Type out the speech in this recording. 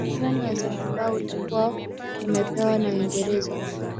Usultani wa Zanzibar ulikuwa umepewa na Uingereza